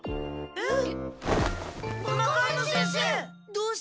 えっ？